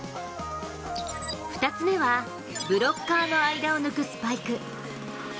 ２つ目はブロッカーの間を抜くスパイク。